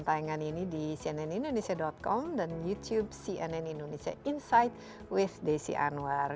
tayangan ini di cnnindonesia com dan youtube cnn indonesia insight with desi anwar